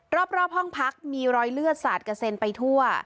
รอบห้องพักมีรอยเลือดสาดกระเซ็นไปทั่ว